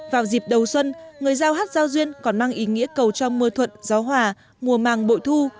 vào dịp đầu xuân người giao hát giao duyên còn mang ý nghĩa cầu cho mưa thuận gió hòa mùa màng bội thu